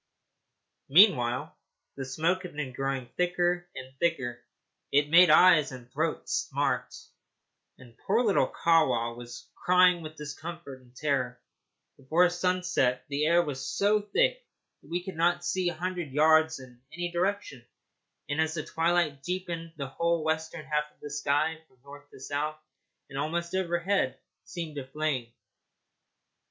Meanwhile the smoke had been growing thicker and thicker. It made eyes and throat smart, and poor little Kahwa was crying with discomfort and terror. Before sunset the air was so thick that we could not see a hundred yards in any direction, and as the twilight deepened the whole western half of the sky, from north to south and almost overhead, seemed to be aflame.